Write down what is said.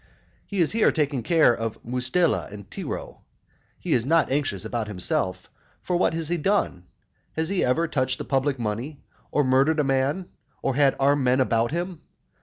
He is here taking care of Mustela and Tiro, he is not anxious about himself. For what has he done? has he ever touched the public money, or murdered a man, or had armed men about him?